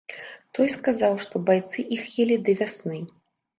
Той сказаў, што байцы іх елі да вясны.